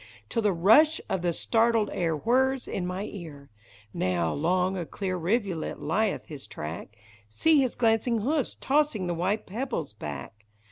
Till the rush of the startled air whirs in my ear ! Now 'long a clear rivulet lieth his track, — See his glancing hoofs tossing tlie white pebbles back